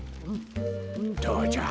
どうじゃ？